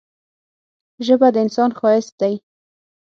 ژبه د انسان ښايست دی.